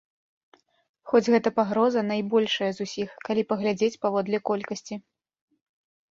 Хоць гэта пагроза найбольшая з усіх, калі паглядзець паводле колькасці.